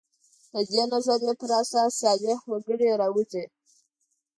د دې نظریې پر اساس صالح وګړي راووځي.